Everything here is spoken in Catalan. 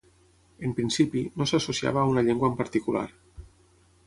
En principi, no s'associava a una llengua en particular.